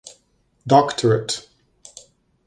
Doctorate.